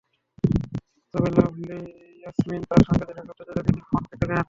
তবে লাভলী ইয়াসমীন তাঁর সঙ্গে দেখা করতে চাইলে তিনি ফোন কেটে দেন।